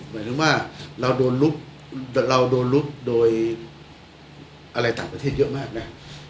หมายนึกว่าเราโดนลุบโดยอะไรต่างประเทศเยอะมากนะ